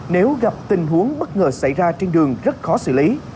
nếu gặp tình huống bất ngờ xảy ra trên đường rất khó xử lý